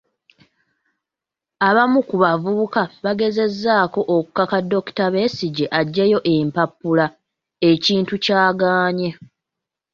Abamu ku bavubuka bagezezzaako okukaka Dr. Besigye aggyeyo empapula, ekintu ky'agaanye.